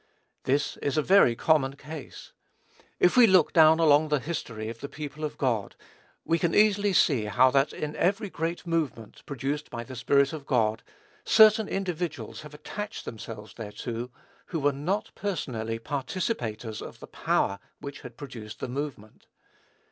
This is a very common case. If we look down along the history of the people of God, we can easily see how that, in every great movement produced by the Spirit of God, certain individuals have attached themselves thereto who were not personally participators of the power which had produced the movement.